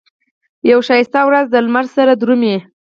یوه ښکلې ورځ دلمره سره درومي